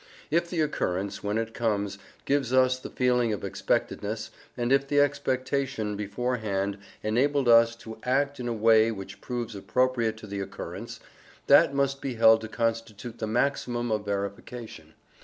If the occurrence, when it comes, gives us the feeling of expectedness, and if the expectation, beforehand, enabled us to act in a way which proves appropriate to the occurrence, that must be held to constitute the maximum of verification.